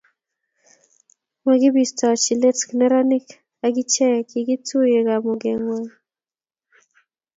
makibistochi let neranik ak ichek kikiyutie kamuge ng'wang'